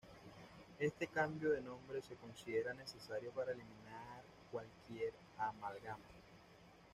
Este cambio de nombre se considera necesario para eliminar cualquier amalgama.